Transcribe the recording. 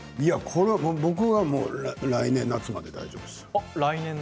僕は来年夏まで大丈夫です。